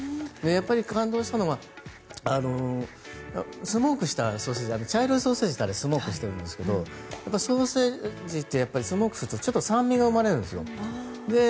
感動したのはスモークしたソーセージ茶色いソーセージってスモークしてるんですけどソーセージってスモークするとちょっと酸味が生まれるんです。